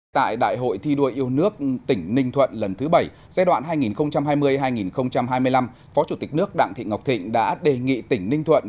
tại đại hội thi đua yêu nước tỉnh ninh thuận lần thứ bảy giai đoạn hai nghìn hai mươi hai nghìn hai mươi năm phó chủ tịch nước đặng thị ngọc thịnh đã đề nghị tỉnh ninh thuận